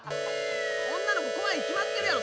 女の子怖いに決まってるやろ！